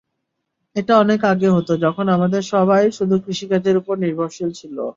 এটা অনেক আগে হতো, যখন আমাদের সবাই শুধু কৃষিকাজের ওপর নির্ভরশীল ছিল।